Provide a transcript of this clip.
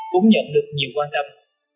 cũng nhận được nhiều quan tâm